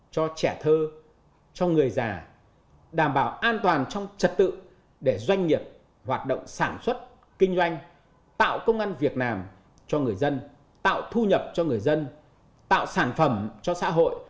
cho trẻ thơ cho người già đảm bảo an toàn trong trật tự để doanh nghiệp hoạt động sản xuất kinh doanh tạo công an việc làm cho người dân tạo thu nhập cho người dân tạo sản phẩm cho xã hội